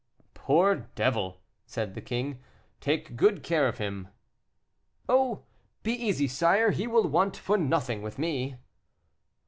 '" "Poor devil!" said the king, "take good care of him." "Oh! be easy, sire, he will want for nothing with me."